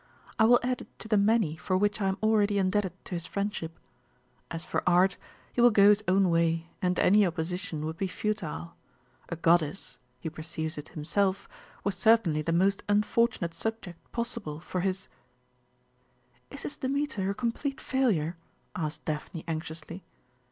I will add it to the many for which I am already indebted to his friendship. As for art, he will go his own way, and any opposition would be futile. A goddess he perceives it himself was certainly the most unfortunate subject possible for his " "Is his Demeter a complete failure?" asked Daphne anxiously.